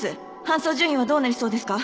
搬送順位はどうなりそうですか？